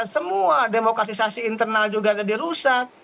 semua demokrasisasi internal juga ada di rusak